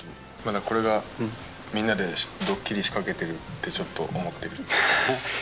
これがみんなでドッキリ仕掛けてるって、ちょっと思っている。